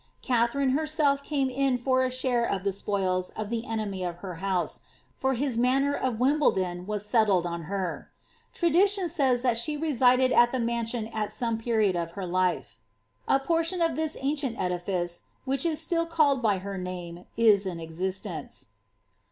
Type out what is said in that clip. Katha came in for a share of the spoils of the enemy of her house, lor of Wimbledon was settled on her. Tradition says that at the maru«ion at some period of her life. A portion of this ice, which is still called by her name, is in existence.'